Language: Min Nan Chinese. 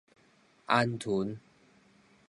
鵪鶉